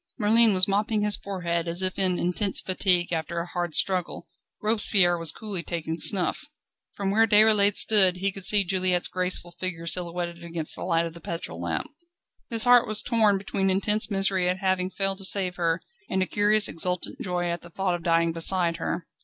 Merlin was mopping his forehead as if in intense fatigue after a hard struggle; Robespierre was coolly taking snuff. From where Déroulède stood, he could see Juliette's graceful figure silhouetted against the light of the petrol lamp. His heart was torn between intense misery at having failed to save her and a curious, exultant joy at thought of dying beside her.